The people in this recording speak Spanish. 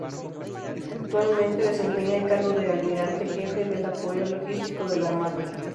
Actualmente desempeña el cargo de almirante jefe del Apoyo Logístico de la Armada.